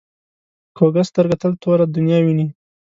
کوږه سترګه تل توره دنیا ویني